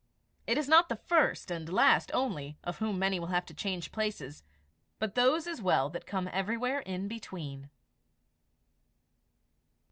It is not the first and the last only, of whom many will have to change places; but those as well that come everywhere between.